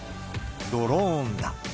ドローンだ。